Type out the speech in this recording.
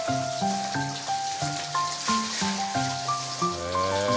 へえ。